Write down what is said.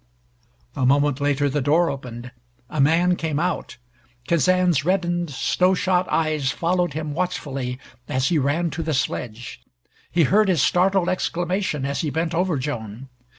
A moment later the door opened. A man came out. Kazan's reddened, snow shot eyes followed him watchfully as he ran to the sledge. He heard his startled exclamation as he bent over Joan.